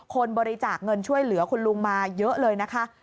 คนบริจาคเงินช่วยเหลือคุณลุงมาเยอะเลยนะคะ